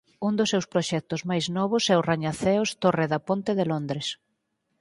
Un dos deus proxectos máis novos é o rañaceos Torre da Ponte de Londres.